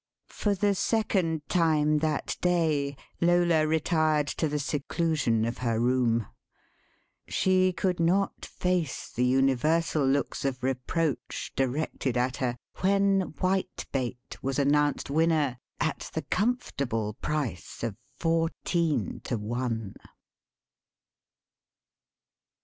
For the second time that day Lola retired to the seclusion of her room; she could not face the universal looks of reproach directed at her when Whitebait was announced winner at the comfortable price of fourteen to one.